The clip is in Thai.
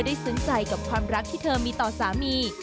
ซึ้งใจกับความรักที่เธอมีต่อสามี